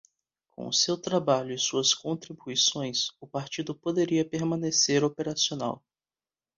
Com seu trabalho e suas contribuições, o partido poderia permanecer operacional.